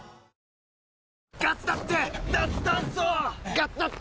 ガスだって！